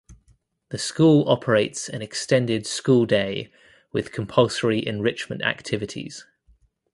The school operates an extended school day with compulsory enrichment activities.